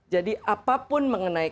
jadi apapun mengenai